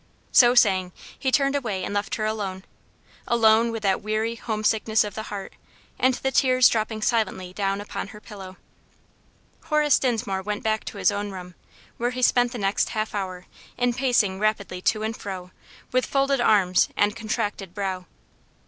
So saying, he turned away and left her alone; alone with that weary home sickness of the heart, and the tears dropping silently down upon her pillow. Horace Dinsmore went back to his own room, where he spent the next half hour in pacing rapidly to and fro, with folded arms and contracted brow.